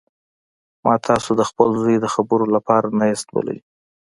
ما تاسو د خپل زوی د خبرو لپاره نه یاست بللي